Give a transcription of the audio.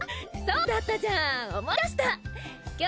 そうだったじゃん思い出した！